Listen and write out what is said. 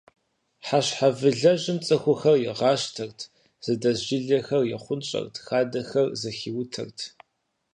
Хьэщхьэвылъэжьым цӏыхухэр игъащтэрт, зыдэс жылэхэр ихъунщӏэрт, хадэхэр зэхиутэрт.